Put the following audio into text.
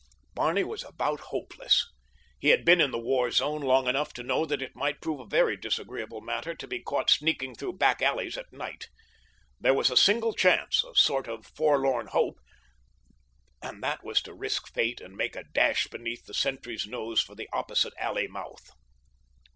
Barney was about hopeless. He had been in the war zone long enough to know that it might prove a very disagreeable matter to be caught sneaking through back alleys at night. There was a single chance—a sort of forlorn hope—and that was to risk fate and make a dash beneath the sentry's nose for the opposite alley mouth.